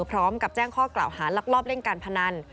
พร้อมกับแจ้งข้อกล่าวหาลักลอบเล่นการพนัน